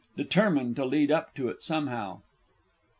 (determined to lead up to it somehow).